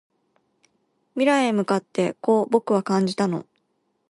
未来へ向かってこう僕は感じたの